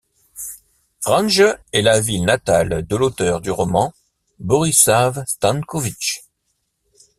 Vranje est la ville natale de l'auteur du roman, Borisav Stanković.